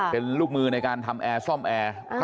เป็นลูกมือในการทำแอร์ซ่อมแอร์